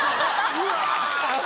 うわ！